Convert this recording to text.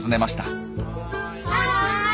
はい！